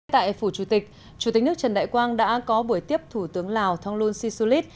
tại phủ chủ tịch chủ tịch nước trần đại quang đã có buổi tiếp thủ tướng lào thonglun sisulit